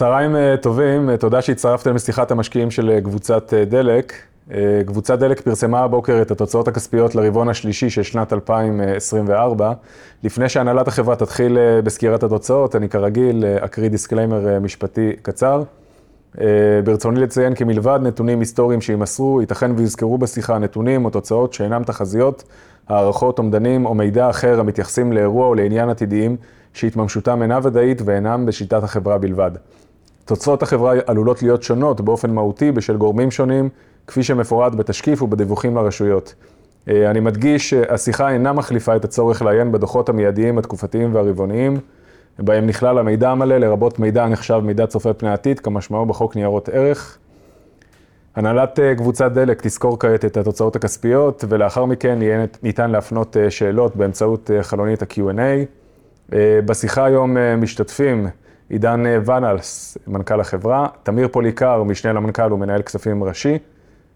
צהריים טובים, תודה שהצטרפתם לשיחת המשקיעים של קבוצת דלק. קבוצת דלק פרסמה הבוקר את התוצאות הכספיות לרבעון השלישי של שנת 2024. לפני שהנהלת החברה תתחיל בסקירת התוצאות, אני כרגיל אקריא דיסקליימר משפטי קצר. ברצוני לציין כי מלבד נתונים היסטוריים שימסרו, ייתכן ויוזכרו בשיחה נתונים או תוצאות שאינם תחזיות, הערכות, אומדנים או מידע אחר המתייחסים לאירוע או לעניין עתידיים שהתממשותם אינה ודאית ואינם בשליטת החברה בלבד. תוצאות החברה עלולות להיות שונות באופן מהותי בשל גורמים שונים, כפי שמפורט בתשקיף ובדיווחים לרשויות. אני מדגיש שהשיחה אינה מחליפה את הצורך לעיין בדוחות המיידיים, התקופתיים והרבעוניים, בהם נכלל המידע המלא, לרבות מידע הנחשב מידע צופה פני עתיד, כמשמעו בחוק ניירות ערך. הנהלת קבוצת דלק תסקור כעת את התוצאות הכספיות, ולאחר מכן יהיה ניתן להפנות שאלות באמצעות חלונית ה-Q&A. בשיחה היום משתתפים: עידן ואנלס, מנכ"ל החברה; תמיר פוליקר, משנה למנכ"ל ומנהל כספים ראשי;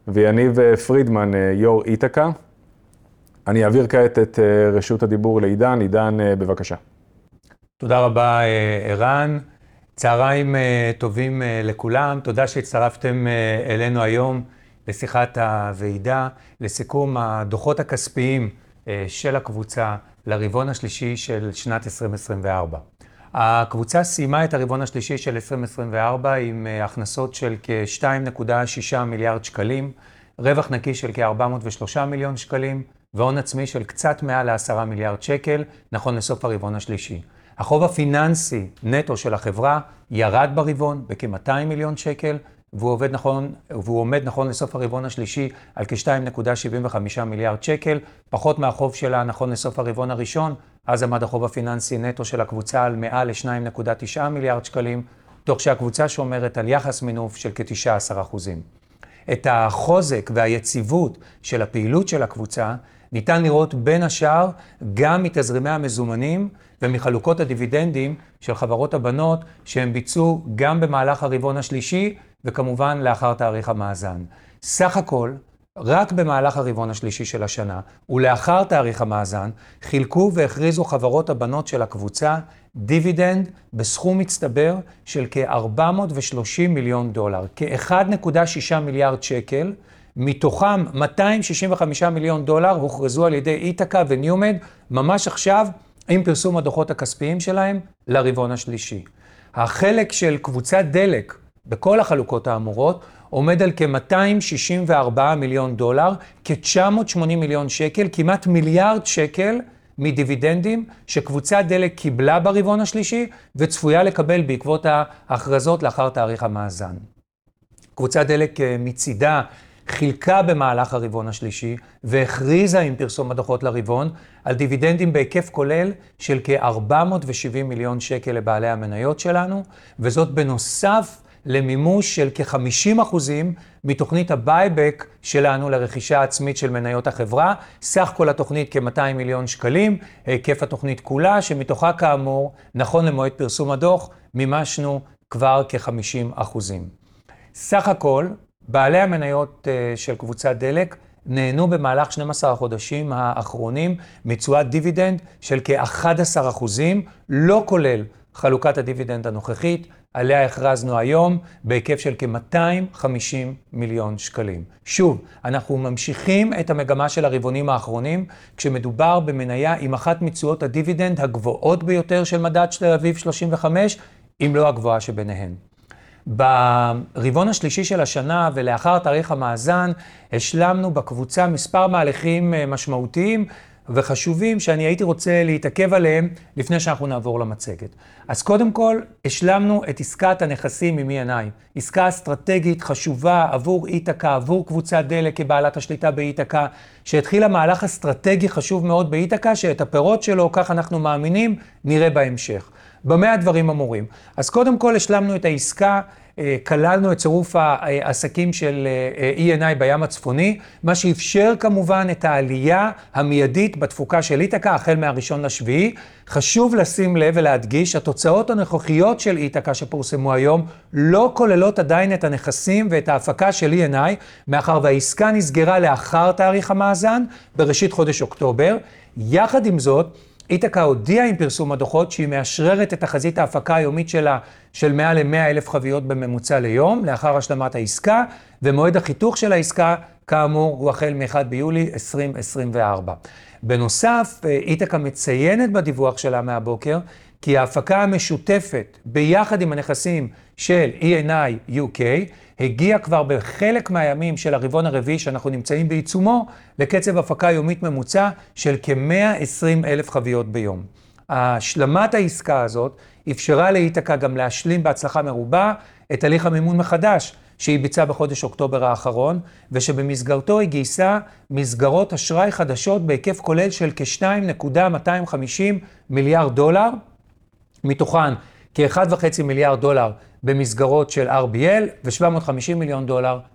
וייניב פרידמן, יו"ר איתקה. אני אעביר כעת את רשות הדיבור לעידן. עידן, בבקשה. תודה רבה, ערן. צהריים טובים לכולם, תודה שהצטרפתם אלינו היום לשיחת הוועידה לסיכום הדוחות הכספיים של הקבוצה לרבעון השלישי של שנת 2024. הקבוצה סיימה את הרבעון השלישי של 2024 עם הכנסות של כ-₪2.6 מיליארד, רווח נקי של כ-₪403 מיליון והון עצמי של קצת מעל ל-₪10 מיליארד, נכון לסוף הרבעון השלישי. החוב הפיננסי נטו של החברה ירד ברבעון בכ-₪200 מיליון, והוא עומד נכון לסוף הרבעון השלישי על כ-₪2.75 מיליארד, פחות מהחוב שלה נכון לסוף הרבעון הראשון. אז עמד החוב הפיננסי נטו של הקבוצה על מעל ל-₪2.9 מיליארד, תוך שהקבוצה שומרת על יחס מינוף של כ-19%. את החוזק והיציבות של הפעילות של הקבוצה ניתן לראות בין השאר גם מתזרימי המזומנים ומחלוקות הדיבידנדים של חברות הבנות שהן ביצעו גם במהלך הרבעון השלישי, וכמובן לאחר תאריך המאזן. סך הכל, רק במהלך הרבעון השלישי של השנה ולאחר תאריך המאזן חילקו והכריזו חברות הבנות של הקבוצה דיבידנד בסכום מצטבר של כ-$430 מיליון, כ-₪1.6 מיליארד, מתוכם $265 מיליון הוכרזו על ידי איתקה וניומד ממש עכשיו עם פרסום הדוחות הכספיים שלהם לרבעון השלישי. החלק של קבוצת דלק בכל החלוקות האמורות עומד על כ-$264 מיליון, כ-₪980 מיליון, כמעט מיליארד שקל מדיבידנדים שקבוצת דלק קיבלה ברבעון השלישי וצפויה לקבל בעקבות ההכרזות לאחר תאריך המאזן. קבוצת דלק מצידה חילקה במהלך הרבעון השלישי והכריזה עם פרסום הדוחות לרבעון על דיבידנדים בהיקף כולל של כ-₪470 מיליון לבעלי המניות שלנו, וזאת בנוסף למימוש של כ-50% מתוכנית הבייבק שלנו לרכישה העצמית של מניות החברה. סך כל התוכנית כ-₪200 מיליון, היקף התוכנית כולה, שמתוכה כאמור, נכון למועד פרסום הדוח, מימשנו כבר כ-50%. סך הכל, בעלי המניות של קבוצת דלק נהנו במהלך 12 החודשים האחרונים מתשואת דיבידנד של כ-11%, לא כולל חלוקת הדיבידנד הנוכחית עליה הכרזנו היום בהיקף של כ-₪250 מיליון. שוב, אנחנו ממשיכים את המגמה של הרבעונים האחרונים כשמדובר במניה עם אחת מתשואות הדיבידנד הגבוהות ביותר של מדד תל אביב 35, אם לא הגבוהה שביניהן. ברבעון השלישי של השנה ולאחר תאריך המאזן השלמנו בקבוצה מספר מהלכים משמעותיים וחשובים שאני הייתי רוצה להתעכב עליהם לפני שאנחנו נעבור למצגת. קודם כל, השלמנו את עסקת הנכסים עם E&I, עסקה אסטרטגית חשובה עבור איתקה, עבור קבוצת דלק כבעלת השליטה באיתקה, שהתחילה מהלך אסטרטגי חשוב מאוד באיתקה שאת הפירות שלו, כך אנחנו מאמינים, נראה בהמשך. במה הדברים אמורים? קודם כל, השלמנו את העסקה, כללנו את צירוף העסקים של E&I בים הצפוני, מה שאפשר כמובן את העלייה המיידית בתפוקה של איתקה החל מהראשון לשביעי. חשוב לשים לב ולהדגיש שהתוצאות הנוכחיות של איתקה שפורסמו היום לא כוללות עדיין את הנכסים ואת ההפקה של E&I, מאחר והעסקה נסגרה לאחר תאריך המאזן בראשית חודש אוקטובר. יחד עם זאת, איתקה הודיעה עם פרסום הדוחות שהיא מאשררת את תחזית ההפקה היומית שלה של מעל ל-100 אלף חביות בממוצע ליום לאחר השלמת העסקה, ומועד החיתוך של העסקה כאמור הוא החל מ-1 ביולי 2024. בנוסף, איתקה מציינת בדיווח שלה מהבוקר כי ההפקה המשותפת יחד עם הנכסים של E&I UK הגיעה כבר בחלק מהימים של הרבעון הרביעי שאנחנו נמצאים בעיצומו לקצב הפקה יומית ממוצע של כ-120 אלף חביות ביום. השלמת העסקה הזאת אפשרה לאיתקה גם להשלים בהצלחה מרובה את תהליך המימון מחדש שהיא ביצעה בחודש אוקטובר האחרון, ושבמסגרתו היא גייסה מסגרות אשראי חדשות בהיקף כולל של כ-$2.25 מיליארד, מתוכן כ-$1.5 מיליארד במסגרות של RBL ו-$750 מיליון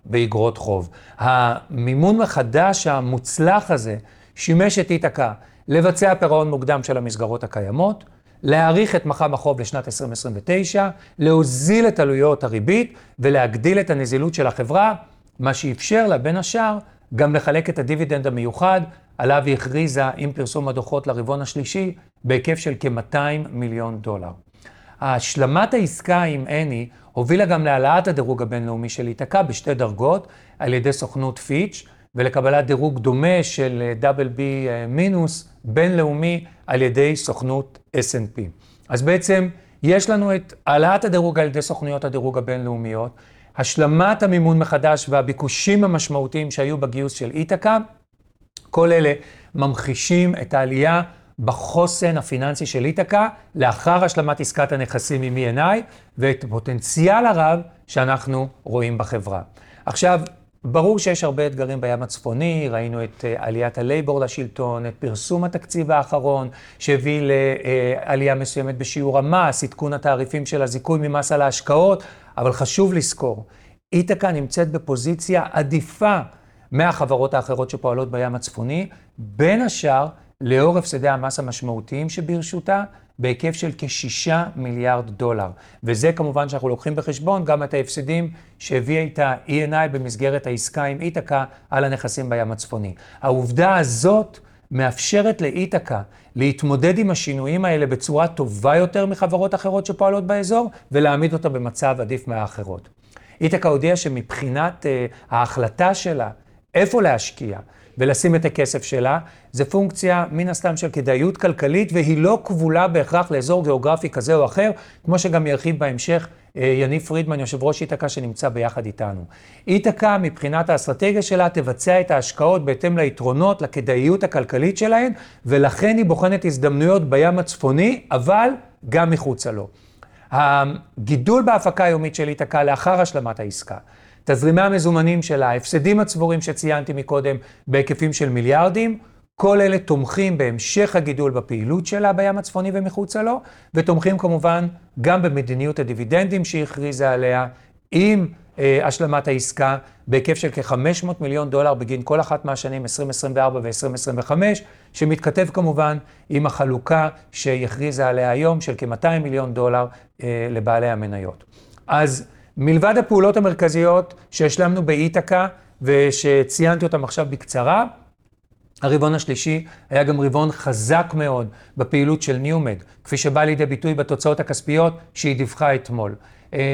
באגרות חוב. המימון מחדש המוצלח הזה שימש את איתקה לבצע פירעון מוקדם של המסגרות הקיימות, להאריך את מח"מ החוב לשנת 2029, להוזיל את עלויות הריבית ולהגדיל את הנזילות של החברה, מה שאפשר לה בין השאר גם לחלק את הדיבידנד המיוחד עליו היא הכריזה עם פרסום הדוחות לרבעון השלישי בהיקף של כ-$200 מיליון. השלמת העסקה עם ENI הובילה גם להעלאת הדירוג הבינלאומי של איתקה בשתי דרגות על ידי סוכנות פיצ' ולקבלת דירוג דומה של דאבל בי מינוס בינלאומי על ידי סוכנות S&P. אז בעצם יש לנו את העלאת הדירוג על ידי סוכנויות הדירוג הבינלאומיות, השלמת המימון מחדש והביקושים המשמעותיים שהיו בגיוס של איתקה, כל אלה ממחישים את העלייה בחוסן הפיננסי של איתקה לאחר השלמת עסקת הנכסים עם ENI ואת הפוטנציאל הרב שאנחנו רואים בחברה. עכשיו, ברור שיש הרבה אתגרים בים הצפוני. ראינו את עליית הלייבור לשלטון, את פרסום התקציב האחרון שהביא לעלייה מסוימת בשיעור המס, עדכון התעריפים של הזיכוי ממס על ההשקעות. אבל חשוב לזכור, איתקה נמצאת בפוזיציה עדיפה מהחברות האחרות שפועלות בים הצפוני, בין השאר לאור הפסדי המס המשמעותיים שברשותה בהיקף של כ-$6 מיליארד. זה כמובן שאנחנו לוקחים בחשבון גם את ההפסדים שהביאה איתה E&I במסגרת העסקה עם איתקה על הנכסים בים הצפוני. העובדה הזאת מאפשרת לאיתקה להתמודד עם השינויים האלה בצורה טובה יותר מחברות אחרות שפועלות באזור ולהעמיד אותה במצב עדיף מהאחרות. איתקה הודיעה שמבחינת ההחלטה שלה איפה להשקיע ולשים את הכסף שלה זה פונקציה מן הסתם של כדאיות כלכלית, והיא לא כבולה בהכרח לאזור גאוגרפי כזה או אחר, כמו שגם ירחיב בהמשך יניב פרידמן, יושב ראש איתקה שנמצא ביחד איתנו. איתקה מבחינת האסטרטגיה שלה תבצע את ההשקעות בהתאם ליתרונות, לכדאיות הכלכלית שלהן, ולכן היא בוחנת הזדמנויות בים הצפוני, אבל גם מחוצה לו. הגידול בהפקה היומית של איתקה לאחר השלמת העסקה, תזרימי המזומנים שלה, ההפסדים הצבורים שציינתי מקודם בהיקפים של מיליארדים, כל אלה תומכים בהמשך הגידול בפעילות שלה בים הצפוני ומחוצה לו, ותומכים כמובן גם במדיניות הדיבידנדים שהיא הכריזה עליה עם השלמת העסקה בהיקף של כ-$500 מיליון דולר בגין כל אחת מהשנים 2024 ו-2025, שמתכתב כמובן עם החלוקה שהיא הכריזה עליה היום של כ-$200 מיליון דולר לבעלי המניות. מלבד הפעולות המרכזיות שהשלמנו באיתקה ושציינתי אותם עכשיו בקצרה, הרבעון השלישי היה גם רבעון חזק מאוד בפעילות של ניומד, כפי שבא לידי ביטוי בתוצאות הכספיות שהיא דיווחה אתמול.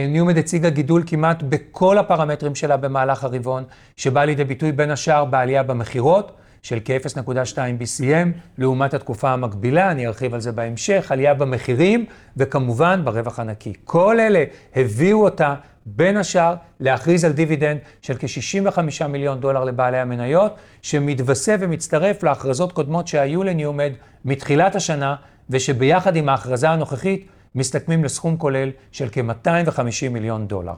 ניומד הציגה גידול כמעט בכל הפרמטרים שלה במהלך הרבעון שבא לידי ביטוי בין השאר בעלייה במכירות של כ-0.2 BCM לעומת התקופה המקבילה, אני ארחיב על זה בהמשך, עלייה במחירים וכמובן ברווח הנקי. כל אלה הביאו אותה בין השאר להכריז על דיבידנד של כ-65 מיליון דולר לבעלי המניות, שמתווסף ומצטרף להכרזות קודמות שהיו לניומד מתחילת השנה, ושביחד עם ההכרזה הנוכחית מסתכמים לסכום כולל של כ-250 מיליון דולר.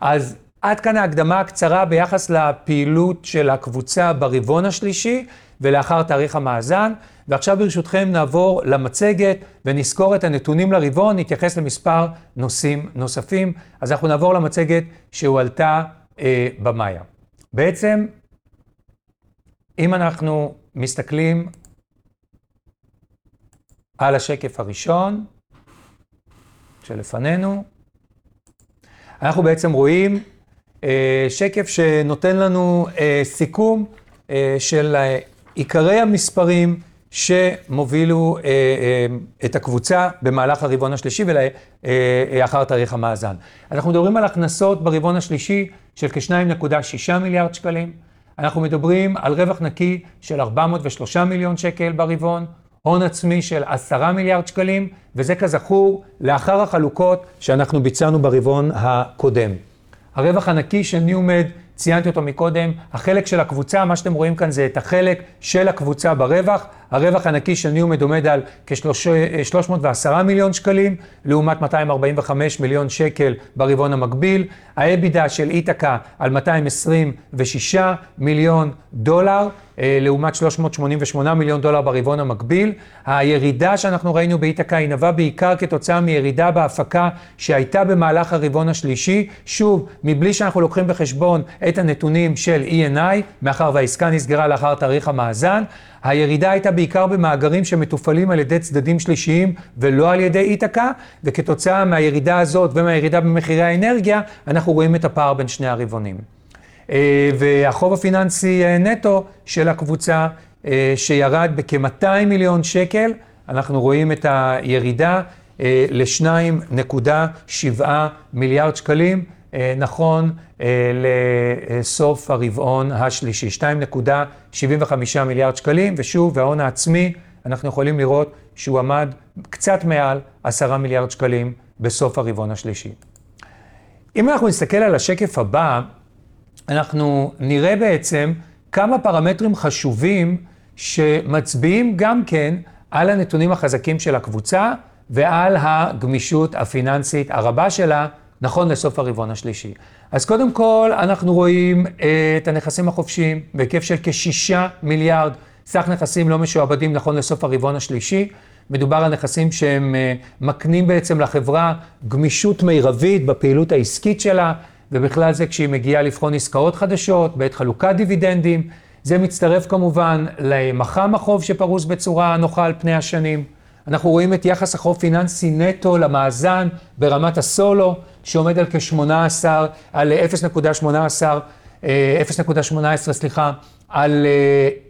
אז עד כאן ההקדמה הקצרה ביחס לפעילות של הקבוצה ברבעון השלישי ולאחר תאריך המאזן, ועכשיו ברשותכם נעבור למצגת ונזכור את הנתונים לרבעון, נתייחס למספר נושאים נוספים. אנחנו נעבור למצגת שהועלתה במאיה. בעצם, אם אנחנו מסתכלים על השקף הראשון שלפנינו, אנחנו בעצם רואים שקף שנותן לנו סיכום של עיקרי המספרים שמובילים את הקבוצה במהלך הרבעון השלישי ולאחר תאריך המאזן. אנחנו מדברים על הכנסות ברבעון השלישי של כ-2.6 מיליארד שקלים, אנחנו מדברים על רווח נקי של 403 מיליון שקל ברבעון, הון עצמי של 10 מיליארד שקלים, וזה כזכור לאחר החלוקות שאנחנו ביצענו ברבעון הקודם. הרווח הנקי של ניומד, ציינתי אותו מקודם, החלק של הקבוצה, מה שאתם רואים כאן זה את החלק של הקבוצה ברווח. הרווח הנקי של ניומד עומד על כ-₪310 מיליון לעומת ₪245 מיליון ברבעון המקביל. האבדה של איתקה על $226 מיליון לעומת $388 מיליון ברבעון המקביל. הירידה שאנחנו ראינו באיתקה היא נבעה בעיקר כתוצאה מירידה בהפקה שהייתה במהלך הרבעון השלישי. שוב, מבלי שאנחנו לוקחים בחשבון את הנתונים של E&I, מאחר והעסקה נסגרה לאחר תאריך המאזן. הירידה הייתה בעיקר במאגרים שמתופעלים על ידי צדדים שלישיים ולא על ידי איתקה, וכתוצאה מהירידה הזאת ומהירידה במחירי האנרגיה אנחנו רואים את הפער בין שני הרבעונים. החוב הפיננסי נטו של הקבוצה שירד בכ-₪200 מיליון, אנחנו רואים את הירידה ל-₪2.7 מיליארד, נכון לסוף הרבעון השלישי, ₪2.75 מיליארד. שוב, ההון העצמי אנחנו יכולים לראות שהוא עמד קצת מעל ₪10 מיליארד בסוף הרבעון השלישי. אם אנחנו נסתכל על השקף הבא, אנחנו נראה בעצם כמה פרמטרים חשובים שמצביעים גם כן על הנתונים החזקים של הקבוצה ועל הגמישות הפיננסית הרבה שלה נכון לסוף הרבעון השלישי. קודם כל אנחנו רואים את הנכסים החופשיים בהיקף של כ-₪6 מיליארד, סך נכסים לא משועבדים נכון לסוף הרבעון השלישי. מדובר על נכסים שמקנים בעצם לחברה גמישות מירבית בפעילות העסקית שלה, ובכלל זה כשהיא מגיעה לבחון עסקאות חדשות בעת חלוקת דיבידנדים. זה מצטרף כמובן למח"מ החוב שפרוס בצורה נוחה על פני השנים. אנחנו רואים את יחס החוב פיננסי נטו למאזן ברמת הסולו שעומד על כ-0.18, על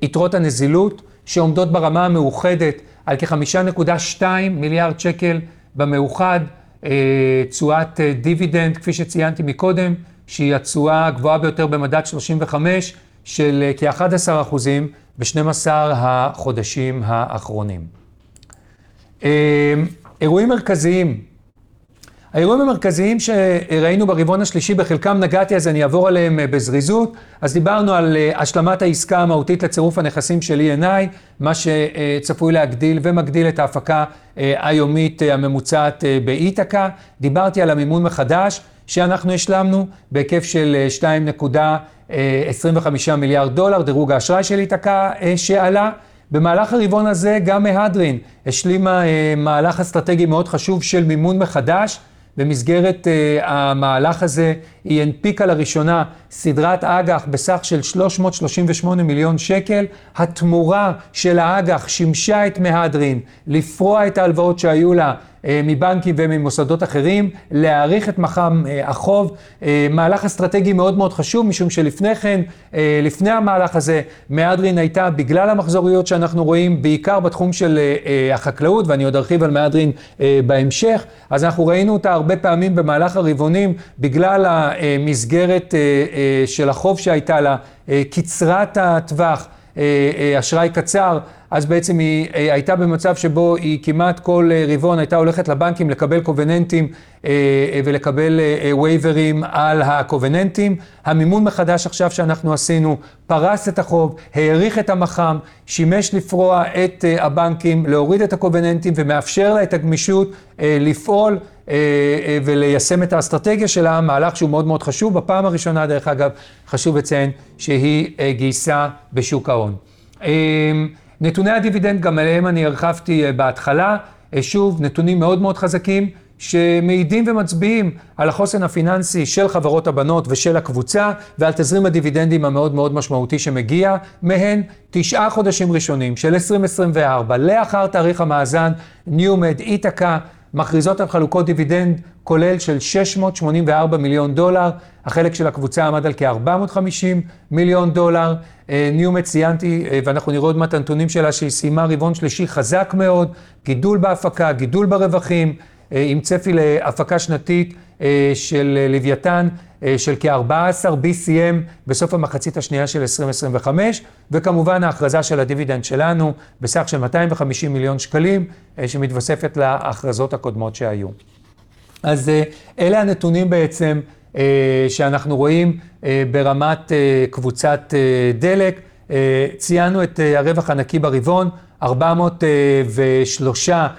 יתרות הנזילות שעומדות ברמה המאוחדת על כ-₪5.2 מיליארד במאוחד, תשואת דיבידנד כפי שציינתי מקודם שהיא התשואה הגבוהה ביותר במדד 35 של כ-11% ב-12 החודשים האחרונים. אירועים מרכזיים, האירועים המרכזיים שראינו ברבעון השלישי, בחלקם נגעתי אז אני אעבור עליהם בזריזות. דיברנו על השלמת העסקה המהותית לצירוף הנכסים של E&I, מה שצפוי להגדיל ומגדיל את ההפקה היומית הממוצעת באיתקה. דיברתי על המימון מחדש שאנחנו השלמנו בהיקף של $2.25 מיליארד, דירוג האשראי של איתקה שעלה. במהלך הרבעון הזה גם מהדרין השלימה מהלך אסטרטגי מאוד חשוב של מימון מחדש. במסגרת המהלך הזה היא הנפיקה לראשונה סדרת אג"ח בסך של ₪338 מיליון. התמורה של האג"ח שימשה את מהדרין לפרוע את ההלוואות שהיו לה מבנקים וממוסדות אחרים, להאריך את מח"מ החוב. מהלך אסטרטגי מאוד חשוב משום שלפני כן, לפני המהלך הזה, מהדרין הייתה בגלל המחזוריות שאנחנו רואים בעיקר בתחום של החקלאות, ואני עוד ארחיב על מהדרין בהמשך, אנחנו ראינו אותה הרבה פעמים במהלך הרבעונים בגלל המסגרת של החוב שהייתה לה, קצרת הטווח, אשראי קצר. בעצם היא הייתה במצב שבו היא כמעט כל רבעון הייתה הולכת לבנקים לקבל קובננטים ולקבל ווייברים על הקובננטים. המימון מחדש עכשיו שאנחנו עשינו פרס את החוב, האריך את המח"מ, שימש לפרוע את הבנקים, להוריד את הקובננטים ומאפשר לה את הגמישות לפעול וליישם את האסטרטגיה שלה. מהלך שהוא מאוד חשוב, בפעם הראשונה דרך אגב חשוב לציין שהיא גייסה בשוק ההון. נתוני הדיבידנד גם עליהם אני הרחבתי בהתחלה, שוב, נתונים מאוד מאוד חזקים שמעידים ומצביעים על החוסן הפיננסי של חברות הבנות ושל הקבוצה ועל תזרים הדיבידנדים המאוד מאוד משמעותי שמגיע מהן. תשעה חודשים ראשונים של 2024 לאחר תאריך המאזן, ניומד, איתקה מכריזות על חלוקות דיבידנד כולל של $684 מיליון, החלק של הקבוצה עמד על כ-$450 מיליון. ניומד ציינתי ואנחנו נראה עוד מעט את הנתונים שלה שהיא סיימה רבעון שלישי חזק מאוד, גידול בהפקה, גידול ברווחים, עם צפי להפקה שנתית של לוויתן של כ-14 BCM בסוף המחצית השנייה של 2025, וכמובן ההכרזה של הדיבידנד שלנו בסך של ₪250 מיליון שמתווספת להכרזות הקודמות שהיו. אז אלה הנתונים בעצם שאנחנו רואים ברמת קבוצת דלק. ציינו את הרווח הנקי ברבעון ₪403 מיליון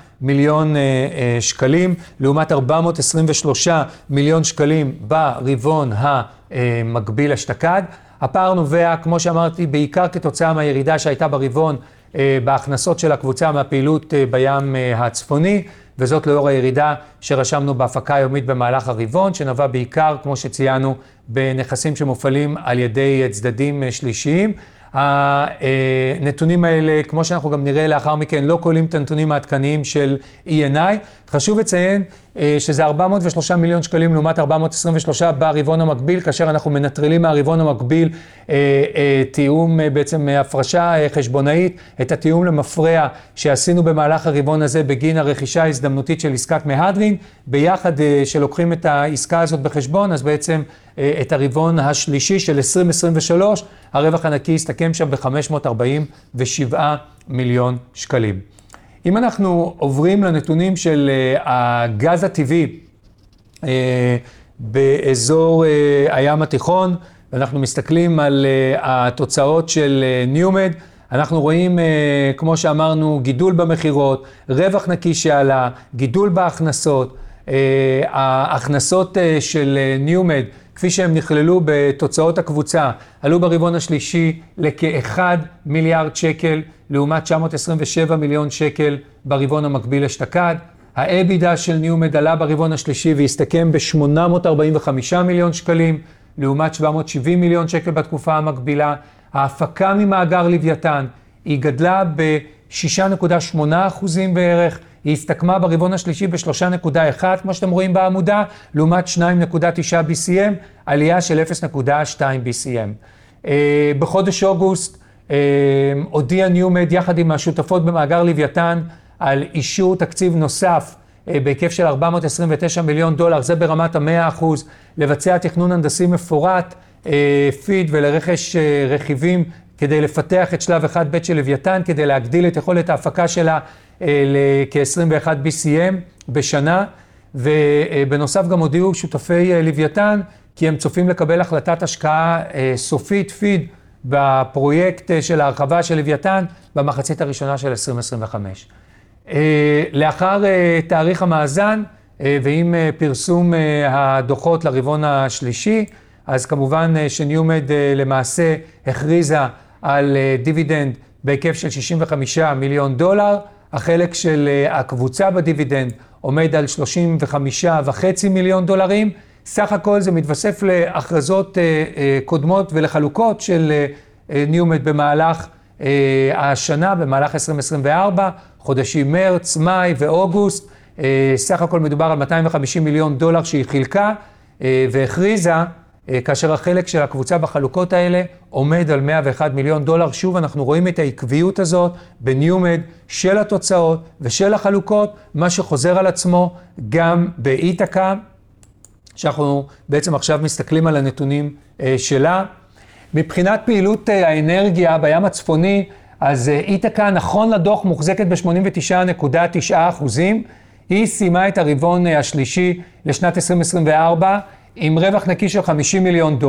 לעומת ₪423 מיליון ברבעון המקביל השתקד. הפער נובע כמו שאמרתי בעיקר כתוצאה מהירידה שהייתה ברבעון בהכנסות של הקבוצה מהפעילות בים הצפוני, וזאת לאור הירידה שרשמנו בהפקה היומית במהלך הרבעון שנבע בעיקר כמו שציינו בנכסים שמופעלים על ידי צדדים שלישיים. הנתונים האלה כמו שאנחנו גם נראה לאחר מכן לא כוללים את הנתונים העדכניים של E&I. חשוב לציין שזה ₪403 מיליון לעומת ₪423 ברבעון המקביל כאשר אנחנו מנטרלים מהרבעון המקביל תיאום בעצם הפרשה חשבונאית את התיאום למפרע שעשינו במהלך הרבעון הזה בגין הרכישה ההזדמנותית של עסקת מהדרין. ביחד שלוקחים את העסקה הזאת בחשבון אז בעצם את הרבעון השלישי של 2023, הרווח הנקי הסתכם שם ב-₪547 מיליון. אם אנחנו עוברים לנתונים של הגז הטבעי באזור הים התיכון ואנחנו מסתכלים על התוצאות של ניומד, אנחנו רואים כמו שאמרנו גידול במכירות, רווח נקי שעלה, גידול בהכנסות. ההכנסות של ניומד כפי שהן נכללו בתוצאות הקבוצה עלו ברבעון השלישי לכ-₪1 מיליארד לעומת ₪927 מיליון ברבעון המקביל אשתקד. האבדה של ניומד עלה ברבעון השלישי והסתכם ב-₪845 מיליון לעומת ₪770 מיליון בתקופה המקבילה. ההפקה ממאגר לוויתן גדלה ב-6.8% בערך, היא הסתכמה ברבעון השלישי ב-3.1 BCM כמו שאתם רואים בעמודה לעומת 2.9 BCM, עלייה של 0.2 BCM. בחודש אוגוסט הודיעה ניומד יחד עם השותפות במאגר לוויתן על אישור תקציב נוסף בהיקף של $429 מיליון, זה ברמת ה-100%, לבצע תכנון הנדסי מפורט לפיד ולרכש רכיבים כדי לפתח את שלב 1ב' של לוויתן כדי להגדיל את יכולת ההפקה שלה לכ-21 BCM בשנה. בנוסף גם הודיעו שותפי לוויתן כי הם צופים לקבל החלטת השקעה סופית פיד בפרויקט של ההרחבה של לוויתן במחצית הראשונה של 2025. לאחר תאריך המאזן ועם פרסום הדוחות לרבעון השלישי, כמובן שניומד למעשה הכריזה על דיבידנד בהיקף של $65 מיליון. החלק של הקבוצה בדיבידנד עומד על $35.5 מיליון. סך הכל זה מתווסף להכרזות קודמות ולחלוקות של ניומד במהלך השנה, במהלך 2024, חודשים מרץ, מאי ואוגוסט. סך הכל מדובר על $250 מיליון שהיא חילקה והכריזה, כאשר החלק של הקבוצה בחלוקות האלה עומד על $101 מיליון. שוב אנחנו רואים את העקביות הזאת בניומד של התוצאות ושל החלוקות, מה שחוזר על עצמו גם באיתקה שאנחנו בעצם עכשיו מסתכלים על הנתונים שלה. מבחינת פעילות האנרגיה בים הצפוני, איתקה נכון לדוח מוחזקת ב-89.9%. היא סיימה את הרבעון השלישי לשנת 2024 עם רווח נקי של $50 מיליון.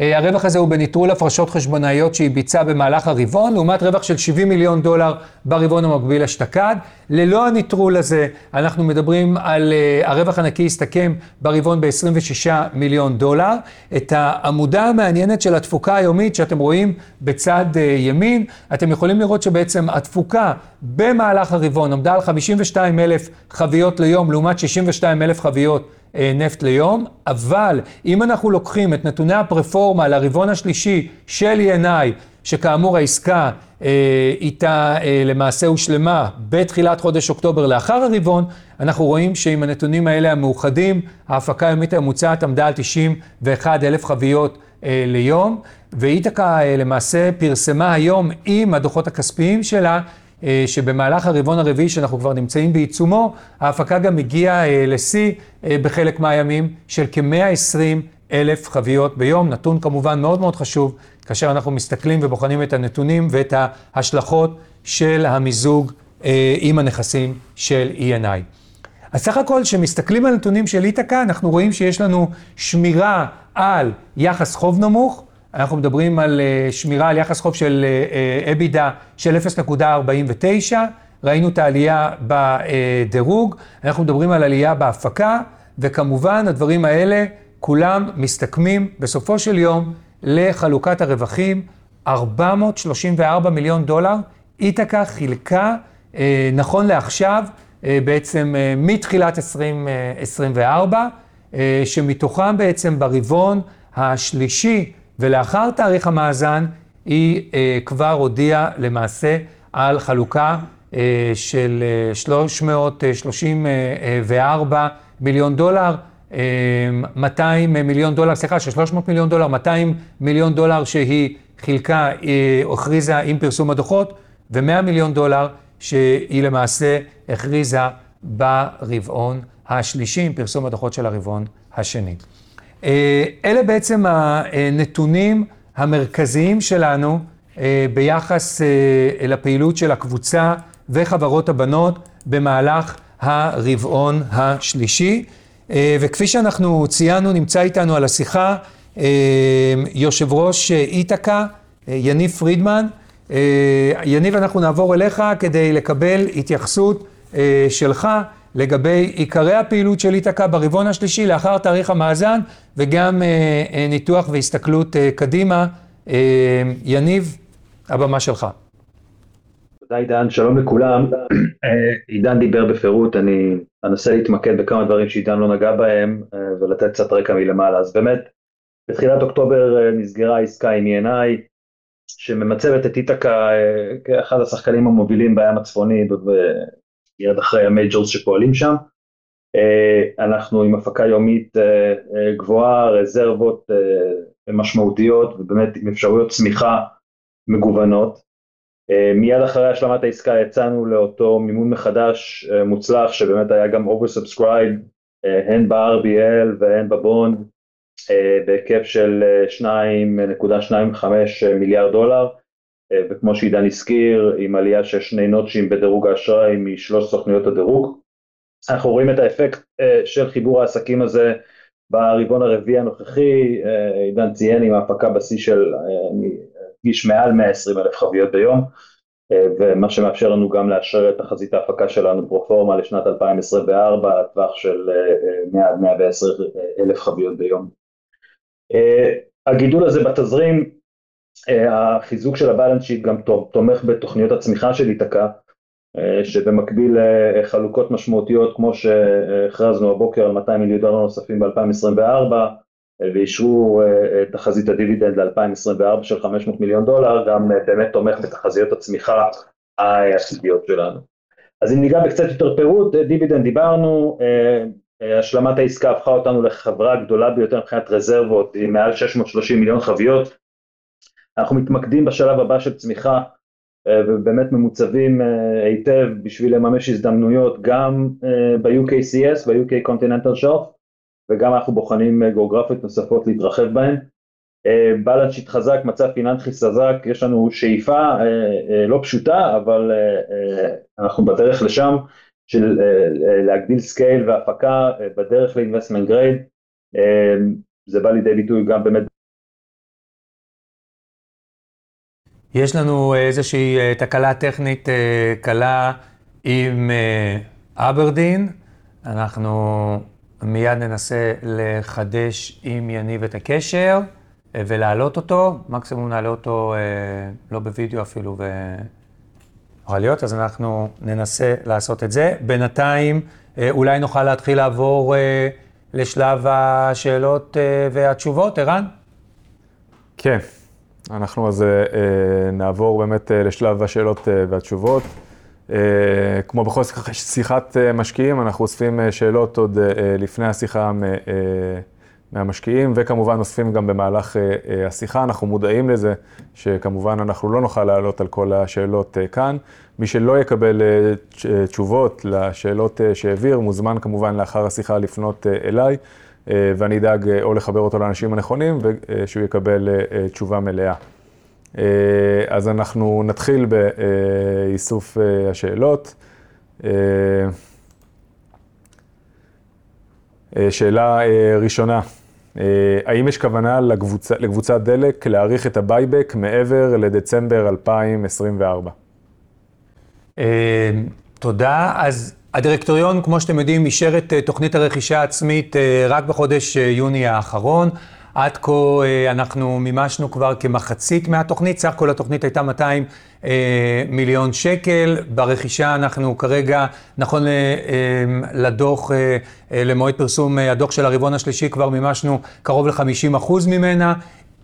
הרווח הזה הוא בנטרול הפרשות חשבונאיות שהיא ביצעה במהלך הרבעון, לעומת רווח של $70 מיליון ברבעון המקביל אשתקד. ללא הנטרול הזה אנחנו מדברים על הרווח הנקי שהסתכם ברבעון ב-$26 מיליון. את העמודה המעניינת של התפוקה היומית שאתם רואים בצד ימין, אתם יכולים לראות שבעצם התפוקה במהלך הרבעון עמדה על 52 אלף חביות ליום לעומת 62 אלף חביות נפט ליום. אבל אם אנחנו לוקחים את נתוני הפרפורמה לרבעון השלישי של E&I, שכאמור העסקה איתה למעשה הושלמה בתחילת חודש אוקטובר לאחר הרבעון, אנחנו רואים שעם הנתונים האלה המאוחדים ההפקה היומית הממוצעת עמדה על 91 אלף חביות ליום. איתקה למעשה פרסמה היום עם הדוחות הכספיים שלה שבמהלך הרבעון הרביעי שאנחנו כבר נמצאים בעיצומו, ההפקה גם הגיעה לשיא בחלק מהימים של כ-120 אלף חביות ביום. נתון כמובן מאוד מאוד חשוב כאשר אנחנו מסתכלים ובוחנים את הנתונים ואת ההשלכות של המיזוג עם הנכסים של E&I. אז סך הכל כשמסתכלים על הנתונים של איתקה אנחנו רואים שיש לנו שמירה על יחס חוב נמוך. אנחנו מדברים על שמירה על יחס חוב של 0.49, ראינו את העלייה בדירוג, אנחנו מדברים על עלייה בהפקה וכמובן הדברים האלה כולם מסתכמים בסופו של יום לחלוקת הרווחים $434 מיליון. איתקה חילקה נכון לעכשיו בעצם מתחילת 2024, שמתוכם בעצם ברבעון השלישי ולאחר תאריך המאזן היא כבר הודיעה למעשה על חלוקה של $300 מיליון - $200 מיליון שהיא חילקה או הכריזה עם פרסום הדוחות ו-$100 מיליון שהיא למעשה הכריזה ברבעון השלישי עם פרסום הדוחות של הרבעון השני. אלה בעצם הנתונים המרכזיים שלנו ביחס לפעילות של הקבוצה וחברות הבנות במהלך הרבעון השלישי וכפי שאנחנו ציינו נמצא איתנו על השיחה יושב ראש איתקה יניב פרידמן, יניב אנחנו נעבור אליך כדי לקבל התייחסות שלך לגבי עיקרי הפעילות של איתקה ברבעון השלישי לאחר תאריך המאזן וגם ניתוח והסתכלות קדימה, יניב הבמה שלך. תודה עידן, שלום לכולם. עידן דיבר בפירוט, אני אנסה להתמקד בכמה דברים שעידן לא נגע בהם ולתת קצת רקע מלמעלה. אז באמת בתחילת אוקטובר נסגרה העסקה עם E&I שממצבת את איתקה כאחד השחקנים המובילים בים הצפוני מיד אחרי המייג'ורס שפועלים שם. אנחנו עם הפקה יומית גבוהה, רזרבות משמעותיות ובאמת עם אפשרויות צמיחה מגוונות. מיד אחרי השלמת העסקה יצאנו לאותו מימון מחדש מוצלח שבאמת היה גם over subscribe הן ב-RBL והן בבונד בהיקף של $2.25 מיליארד וכמו שעידן הזכיר עם עלייה של שני נוצ'ים בדירוג האשראי משלוש סוכנויות הדירוג. אנחנו רואים את האפקט של חיבור העסקים הזה ברבעון הרביעי הנוכחי. עידן ציין עם ההפקה בשיא של מעל 120 אלף חביות ביום ומה שמאפשר לנו גם לאשר את תחזית ההפקה שלנו פרופורמה לשנת 2024 לטווח של 100 עד 110 אלף חביות ביום. הגידול הזה בתזרים, החיזוק של הבאלנס שיט, גם תומך בתוכניות הצמיחה של איתקה שבמקביל חלוקות משמעותיות כמו שהכרזנו הבוקר על $200 מיליון נוספים ב-2024 ואישרו תחזית הדיבידנד ל-2024 של $500 מיליון גם באמת תומך בתחזיות הצמיחה העתידיות שלנו. אז אם ניגע בקצת יותר פירוט דיבידנד דיברנו השלמת העסקה הפכה אותנו לחברה הגדולה ביותר מבחינת רזרבות היא מעל 630 מיליון חביות. אנחנו מתמקדים בשלב הבא של צמיחה ובאמת ממוצבים היטב בשביל לממש הזדמנויות גם ב-UKCS ב-UK Continental Shelf וגם אנחנו בוחנים גאוגרפיות נוספות להתרחב בהם. בלנס שיט חזק מצב פיננסי חזק יש לנו שאיפה לא פשוטה אבל אנחנו בדרך לשם של להגדיל סקייל והפקה בדרך לאינבסטמנט גרייד זה בא לידי ביטוי גם באמת. יש לנו איזושהי תקלה טכנית קלה עם אברדין. אנחנו מיד ננסה לחדש עם יניב את הקשר ולהעלות אותו. מקסימום נעלה אותו לא בווידאו אפילו ואוכל להיות. אז אנחנו ננסה לעשות את זה. בינתיים אולי נוכל להתחיל לעבור לשלב השאלות והתשובות. ערן? כן, אנחנו אז נעבור באמת לשלב השאלות והתשובות. כמו בכל שיחת משקיעים, אנחנו אוספים שאלות עוד לפני השיחה מהמשקיעים וכמובן אוספים גם במהלך השיחה. אנחנו מודעים לזה שכמובן אנחנו לא נוכל לעלות על כל השאלות כאן. מי שלא יקבל תשובות לשאלות שהעביר מוזמן כמובן לאחר השיחה לפנות אליי ואני אדאג או לחבר אותו לאנשים הנכונים ושהוא יקבל תשובה מלאה. אז אנחנו נתחיל באיסוף השאלות. שאלה ראשונה: האם יש כוונה לקבוצת דלק להאריך את הבייבק מעבר לדצמבר 2024? תודה. אז הדירקטוריון, כמו שאתם יודעים, אישר את תוכנית הרכישה העצמית רק בחודש יוני האחרון. עד כה אנחנו מימשנו כבר כמחצית מהתוכנית. סך הכל התוכנית הייתה ₪200 מיליון ברכישה. אנחנו כרגע, נכון לדוח למועד פרסום הדוח של הרבעון השלישי, כבר מימשנו קרוב ל-50% ממנה.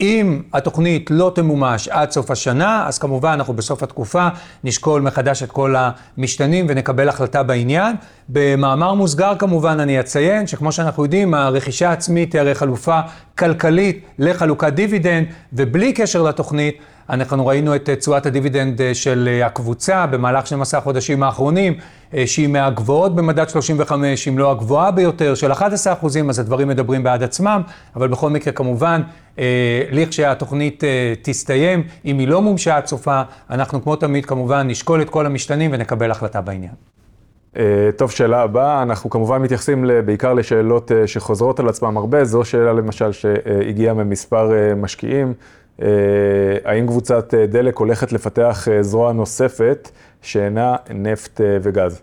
אם התוכנית לא תמומש עד סוף השנה, אז כמובן אנחנו בסוף התקופה נשקול מחדש את כל המשתנים ונקבל החלטה בעניין. במאמר מוסגר, כמובן אני אציין שכמו שאנחנו יודעים, הרכישה העצמית היא הרי חלופה כלכלית לחלוקת דיבידנד. ובלי קשר לתוכנית, אנחנו ראינו את תשואת הדיבידנד של הקבוצה במהלך 12 החודשים האחרונים שהיא מהגבוהות במדד 35, אם לא הגבוהה ביותר, של 11%. אז הדברים מדברים בעד עצמם. אבל בכל מקרה, כמובן, לכשהתוכנית תסתיים, אם היא לא מומשה עד סופה, אנחנו כמו תמיד, כמובן, נשקול את כל המשתנים ונקבל החלטה בעניין. טוב, שאלה הבאה. אנחנו כמובן מתייחסים בעיקר לשאלות שחוזרות על עצמן הרבה. זו שאלה למשל שהגיעה ממספר משקיעים: האם קבוצת דלק הולכת לפתח זרוע נוספת שאינה נפט וגז?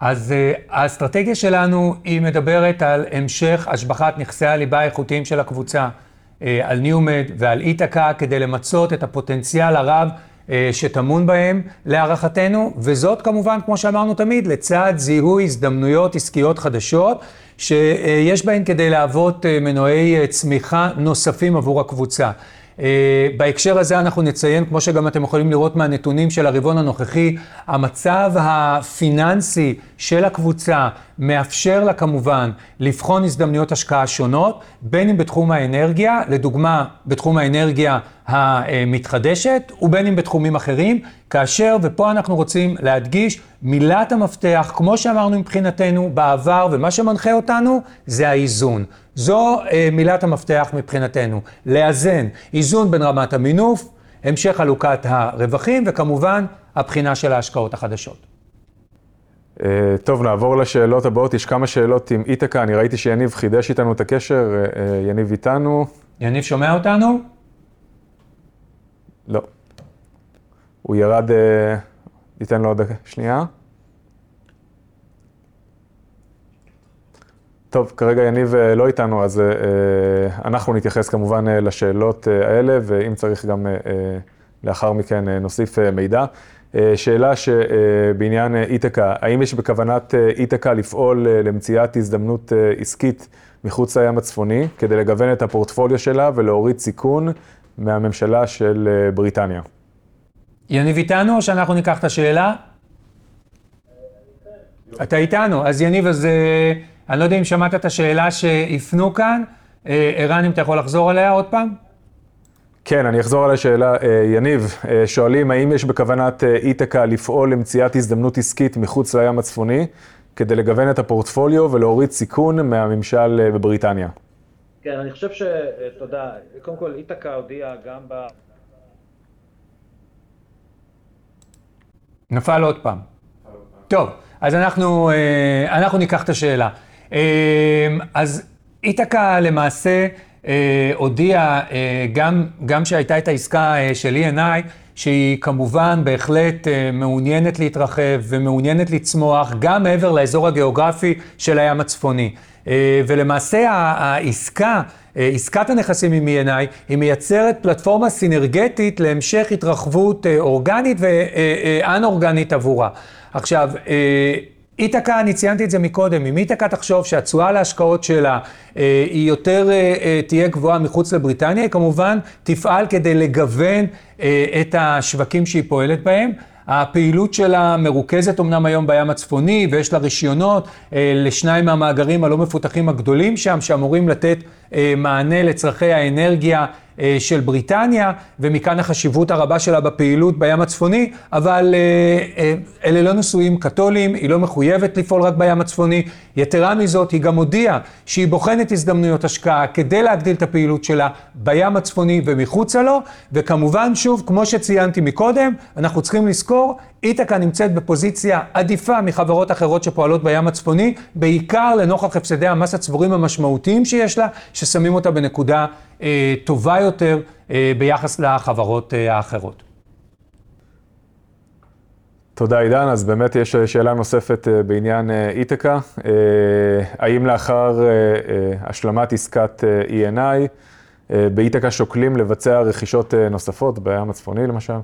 אז האסטרטגיה שלנו מדברת על המשך השבחת נכסי הליבה האיכותיים של הקבוצה על ניומד ועל איתקה, כדי למצות את הפוטנציאל הרב שטמון בהם להערכתנו. וזאת כמובן, כמו שאמרנו תמיד, לצד זיהוי הזדמנויות עסקיות חדשות שיש בהן כדי להוות מנועי צמיחה נוספים עבור הקבוצה. בהקשר הזה אנחנו נציין, כמו שגם אתם יכולים לראות מהנתונים של הרבעון הנוכחי, המצב הפיננסי של הקבוצה מאפשר לה כמובן לבחון הזדמנויות השקעה שונות, בין אם בתחום האנרגיה - לדוגמה בתחום האנרגיה המתחדשת - ובין אם בתחומים אחרים. כאשר, ופה אנחנו רוצים להדגיש, מילת המפתח כמו שאמרנו מבחינתנו בעבר ומה שמנחה אותנו זה האיזון. זו מילת המפתח מבחינתנו - לאזן איזון בין רמת המינוף, המשך חלוקת הרווחים וכמובן הבחינה של ההשקעות החדשות. טוב, נעבור לשאלות הבאות. יש כמה שאלות עם איתקה. אני ראיתי שיניב חידש איתנו את הקשר. יניב איתנו? יניב שומע אותנו? לא, הוא ירד. ניתן לו עוד שנייה. טוב, כרגע יניב לא איתנו, אז אנחנו נתייחס כמובן לשאלות האלה, ואם צריך גם לאחר מכן נוסיף מידע. שאלה שבעניין איתקה: האם יש בכוונת איתקה לפעול למציאת הזדמנות עסקית מחוץ לים הצפוני כדי לגוון את הפורטפוליו שלה ולהוריד סיכון מהממשלה של בריטניה? יניב איתנו או שאנחנו ניקח את השאלה? אני כן, אתה איתנו. אז יניב, אני לא יודע אם שמעת את השאלה שהפנו כאן. ערן, אם אתה יכול לחזור עליה עוד פעם? כן, אני אחזור על השאלה. יניב, שואלים האם יש בכוונת איתקה לפעול למציאת הזדמנות עסקית מחוץ לים הצפוני כדי לגוון את הפורטפוליו ולהוריד סיכון מהממשל בבריטניה? כן, אני חושב שתודה. קודם כל, איתקה הודיעה גם ב... נפל עוד פעם. טוב, אז אנחנו ניקח את השאלה. אז איתקה למעשה הודיעה גם שהייתה את העסקה של E&I, שהיא כמובן בהחלט מעוניינת להתרחב ומעוניינת לצמוח גם מעבר לאזור הגיאוגרפי של הים הצפוני. ולמעשה העסקה, עסקת הנכסים עם E&I, היא מייצרת פלטפורמה סינרגטית להמשך התרחבות אורגנית ואנורגנית עבורה. עכשיו איתקה, אני ציינתי את זה מקודם, אם איתקה תחשוב שהתשואה להשקעות שלה תהיה גבוהה יותר מחוץ לבריטניה, היא כמובן תפעל כדי לגוון את השווקים שהיא פועלת בהם. הפעילות שלה מרוכזת אמנם היום בים הצפוני ויש לה רישיונות לשניים מהמאגרים הלא מפותחים הגדולים שם, שאמורים לתת מענה לצרכי האנרגיה של בריטניה, ומכאן החשיבות הרבה שלה בפעילות בים הצפוני. אבל אלה לא נישואים קתולים - היא לא מחויבת לפעול רק בים הצפוני. יתרה מזאת, היא גם הודיעה שהיא בוחנת הזדמנויות השקעה כדי להגדיל את הפעילות שלה בים הצפוני ומחוצה לו. וכמובן, שוב כמו שציינתי מקודם, אנחנו צריכים לזכור איתקה נמצאת בפוזיציה עדיפה מחברות אחרות שפועלות בים הצפוני, בעיקר לנוכח הפסדי המס הצבורים המשמעותיים שיש לה, ששמים אותה בנקודה טובה יותר ביחס לחברות האחרות. תודה עידן. אז באמת יש שאלה נוספת בעניין איתקה - האם לאחר השלמת עסקת E&I באיתקה שוקלים לבצע רכישות נוספות בים הצפוני למשל?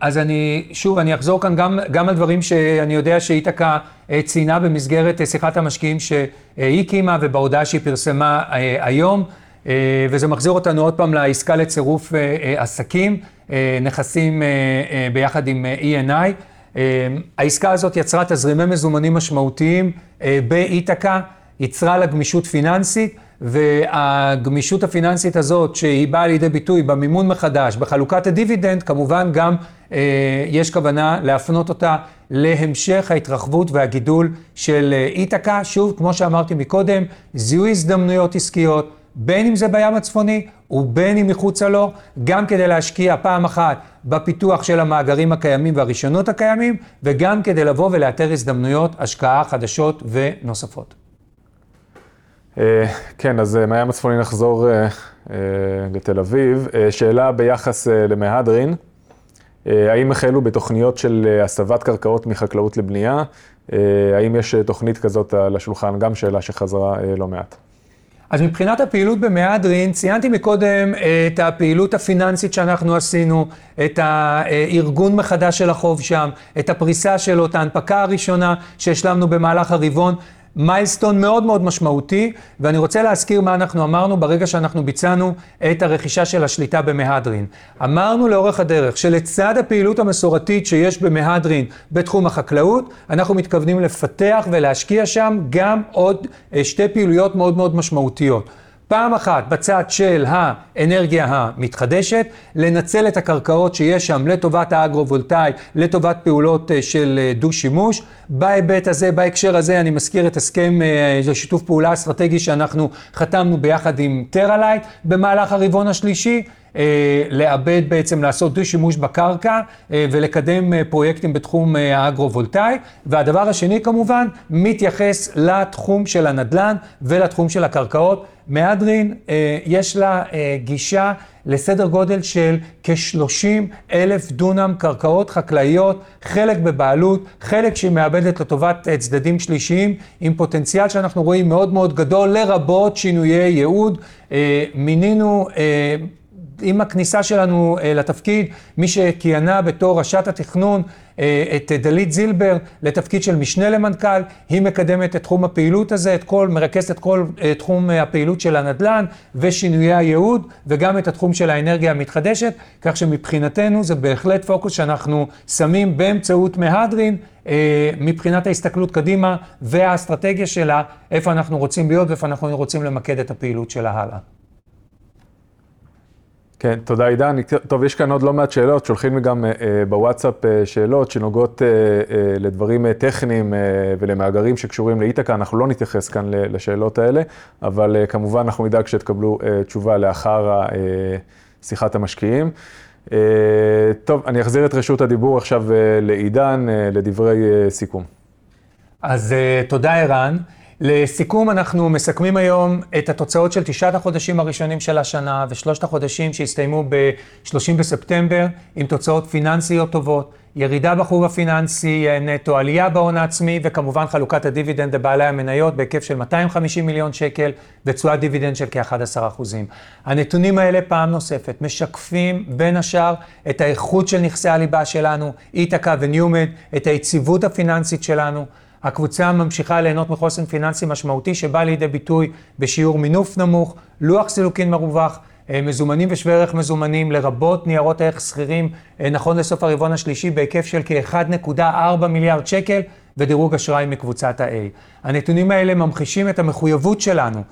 אז אני שוב אחזור כאן גם על דברים שאני יודע שאיתקה ציינה במסגרת שיחת המשקיעים שהיא קיימה ובהודעה שהיא פרסמה היום, וזה מחזיר אותנו עוד פעם לעסקה לצירוף עסקים נכסים יחד עם E&I. העסקה הזאת יצרה תזרימי מזומנים משמעותיים באיתקה, יצרה לה גמישות פיננסית, והגמישות הפיננסית הזאת שהיא באה לידי ביטוי במימון מחדש בחלוקת הדיבידנד, כמובן גם יש כוונה להפנות אותה להמשך ההתרחבות והגידול של איתקה. שוב כמו שאמרתי מקודם, זיהוי הזדמנויות עסקיות בין אם זה בים הצפוני ובין אם מחוצה לו, גם כדי להשקיע פעם אחת בפיתוח של המאגרים הקיימים והרישיונות הקיימים, וגם כדי לבוא ולאתר הזדמנויות השקעה חדשות ונוספות. אז כן, מהים הצפוני נחזור לתל אביב. שאלה ביחס למהדרין - האם החלו בתוכניות של הסבת קרקעות מחקלאות לבנייה? האם יש תוכנית כזאת על השולחן? גם שאלה שחזרה לא מעט. אז מבחינת הפעילות במהדרין ציינתי מקודם את הפעילות הפיננסית שאנחנו עשינו את הארגון מחדש של החוב שם, את הפריסה של אותה הנפקה הראשונה שהשלמנו במהלך הרבעון - מיילסטון מאוד מאוד משמעותי. ואני רוצה להזכיר מה אנחנו אמרנו ברגע שאנחנו ביצענו את הרכישה של השליטה במהדרין. אמרנו לאורך הדרך שלצד הפעילות המסורתית שיש במהדרין בתחום החקלאות, אנחנו מתכוונים לפתח ולהשקיע שם גם עוד שתי פעילויות מאוד מאוד משמעותיות. פעם אחת בצד של האנרגיה המתחדשת לנצל את הקרקעות שיש שם לטובת האגרוולטאי, לטובת פעולות של דו שימוש בהיבט הזה. בהקשר הזה אני מזכיר את הסכם שיתוף פעולה אסטרטגי שאנחנו חתמנו ביחד עם טרלייט במהלך הרבעון השלישי לעבד בעצם, לעשות דו שימוש בקרקע ולקדם פרויקטים בתחום האגרוולטאי. והדבר השני כמובן מתייחס לתחום של הנדלן ולתחום של הקרקעות. מהדרין יש לה גישה לסדר גודל של כ-30 אלף דונם קרקעות חקלאיות, חלק בבעלות, חלק שהיא מעבדת לטובת צדדים שלישיים, עם פוטנציאל שאנחנו רואים מאוד מאוד גדול לרבות שינויי ייעוד. מינינו עם הכניסה שלנו לתפקיד מי שכיהנה בתור ראשת התכנון את דלית זילבר לתפקיד של משנה למנכ"ל. היא מקדמת את תחום הפעילות הזה, את כל מרכזת את כל תחום הפעילות של הנדלן ושינויי הייעוד וגם את התחום של האנרגיה המתחדשת. כך שמבחינתנו זה בהחלט פוקוס שאנחנו שמים באמצעות מהדרין מבחינת ההסתכלות קדימה והאסטרטגיה שלה, איפה אנחנו רוצים להיות ואיפה אנחנו רוצים למקד את הפעילות שלה הלאה. כן, תודה עידן. טוב, יש כאן עוד לא מעט שאלות שולחים לי גם בוואטסאפ, שאלות שנוגעות לדברים טכניים ולמאגרים שקשורים לאיתקה. אנחנו לא נתייחס כאן לשאלות האלה, אבל כמובן אנחנו נדאג שתקבלו תשובה לאחר שיחת המשקיעים. טוב, אני אחזיר את רשות הדיבור עכשיו לעידן לדברי סיכום. אז תודה ערן לסיכום. אנחנו מסכמים היום את התוצאות של תשעת החודשים הראשונים של השנה ושלושת החודשים שהסתיימו ב-30 בספטמבר עם תוצאות פיננסיות טובות, ירידה בחוב הפיננסי נטו, עליה בהון העצמי וכמובן חלוקת הדיבידנד לבעלי המניות בהיקף של ₪250 מיליון ותשואת דיבידנד של כ-11%. הנתונים האלה פעם נוספת משקפים בין השאר את האיכות של נכסי הליבה שלנו איתקה וניומד, את היציבות הפיננסית שלנו. הקבוצה ממשיכה להנות מחוסן פיננסי משמעותי שבא לידי ביטוי בשיעור מינוף נמוך, לוח סילוקין מרווח, מזומנים ושווי ערך מזומנים לרבות ניירות ערך סחירים נכון לסוף הרבעון השלישי בהיקף של כ-₪1.4 מיליארד ודירוג אשראי מקבוצת ה-A. הנתונים האלה ממחישים את המחויבות שלנו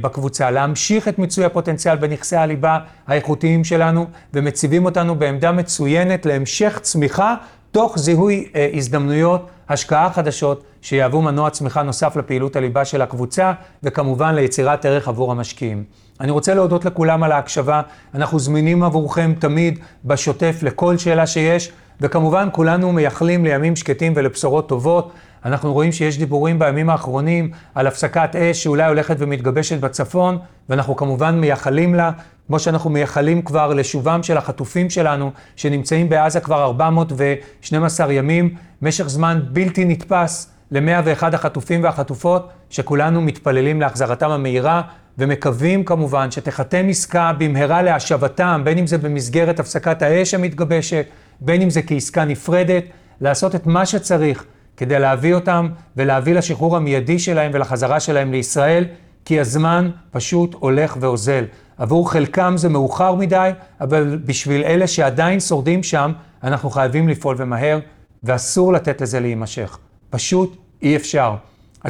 בקבוצה להמשיך את מיצוי הפוטנציאל בנכסי הליבה האיכותיים שלנו ומציבים אותנו בעמדה מצוינת להמשך צמיחה תוך זיהוי הזדמנויות השקעה חדשות שיהוו מנוע צמיחה נוסף לפעילות הליבה של הקבוצה וכמובן ליצירת ערך עבור המשקיעים. אני רוצה להודות לכולם על ההקשבה. אנחנו זמינים עבורכם תמיד בשוטף לכל שאלה שיש וכמובן כולנו מייחלים לימים שקטים ולבשורות טובות. אנחנו רואים שיש דיבורים בימים האחרונים על הפסקת אש שאולי הולכת ומתגבשת בצפון ואנחנו כמובן מייחלים לה כמו שאנחנו מייחלים כבר לשובם של החטופים שלנו שנמצאים בעזה כבר 412 ימים, משך זמן בלתי נתפס, ל-101 החטופים והחטופות שכולנו מתפללים להחזרתם המהירה ומקווים כמובן שתיחתם עסקה במהרה להשבתם, בין אם זה במסגרת הפסקת האש המתגבשת בין אם זה כעסקה נפרדת, לעשות את מה שצריך כדי להביא אותם ולהביא לשחרור המיידי שלהם ולחזרה שלהם לישראל כי הזמן פשוט הולך ואוזל. עבור חלקם זה מאוחר מדי אבל בשביל אלה שעדיין שורדים שם אנחנו חייבים לפעול ומהר ואסור לתת לזה להימשך, פשוט אי אפשר.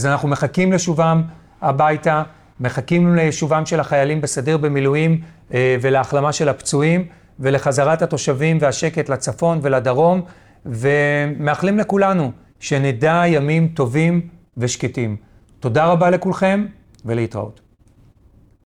אנחנו מחכים לשובם הביתה, מחכים לשובם של החיילים בסדיר במילואים ולהחלמה של הפצועים ולחזרת התושבים והשקט לצפון ולדרום ומאחלים לכולנו שנדע ימים טובים ושקטים. תודה רבה לכולכם ולהתראות.